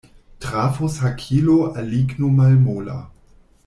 Trafos hakilo al ligno malmola.